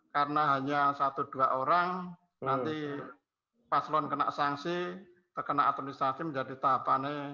karena hanya satu dua orang nanti paslon kena sanksi terkena atomisasi menjadi tahapannya